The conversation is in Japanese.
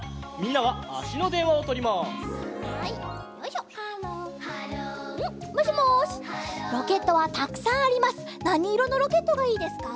なにいろのロケットがいいですか？